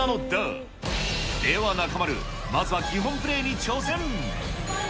では中丸、まずは基本プレーに挑戦。